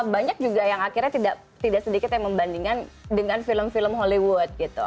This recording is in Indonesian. banyak juga yang akhirnya tidak sedikit yang membandingkan dengan film film hollywood gitu